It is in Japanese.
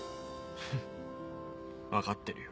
フッ分かってるよ。